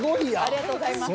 ありがとうございます。